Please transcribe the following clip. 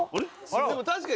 でも確かに」